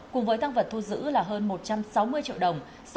cùng với tăng vật thu giữ là hơn một trăm sáu mươi triệu đồng